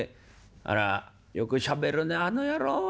「あらよくしゃべるねあの野郎は。